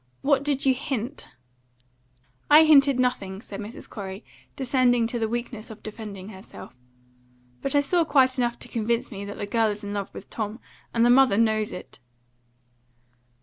What did you hint?" "I hinted nothing," said Mrs. Corey, descending to the weakness of defending herself. "But I saw quite enough to convince me that the girl is in love with Tom, and the mother knows it."